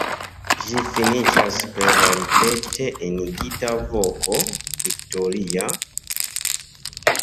Ĝi finiĝas per la ripete enigita voko „Viktoria!“.